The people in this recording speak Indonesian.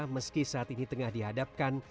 meski saat ini tengah dihadapkan